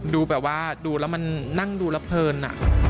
ดูแบบว่าดูแล้วมันนั่งดูแล้วเพลิน